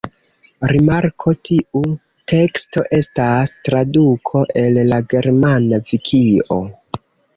Rimarko: Tiu teksto estas traduko el la germana vikio.